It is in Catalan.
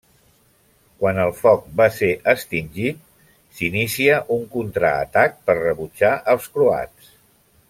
Quan el foc va ser extingit, s'inicia un contraatac per rebutjar els croats.